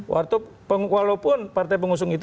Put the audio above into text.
walaupun partai pengusung itu